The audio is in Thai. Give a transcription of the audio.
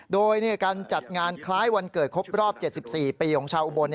โดยการจัดงานคล้ายวันเกิดครบรอบ๗๔ปีของชาวอุบล